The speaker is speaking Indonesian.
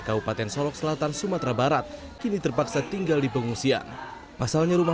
kabupaten solok selatan sumatera barat kini terpaksa tinggal di pengungsian pasalnya rumah